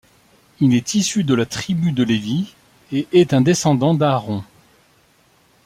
Il est issu de la tribu de Lévi, et est un descendant d'Aaron.